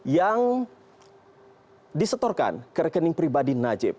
yang disetorkan ke rekening pribadi najib